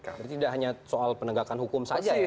berarti tidak hanya soal penegakan hukum saja ya